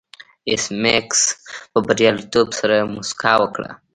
ایس میکس په بریالیتوب سره موسکا وکړه